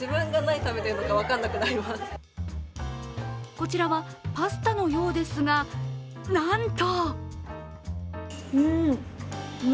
こちらはパスタのようですがなんと！